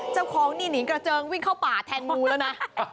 เจ้าของนี่หนีกระเจิงวิ่งเข้าป่าแทนงูแล้วนะ